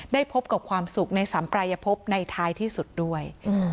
พบกับความสุขในสัมปรายภพในท้ายที่สุดด้วย